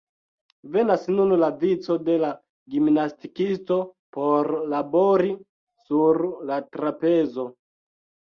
Venas nun la vico de la gimnastikisto por "labori" sur la trapezo.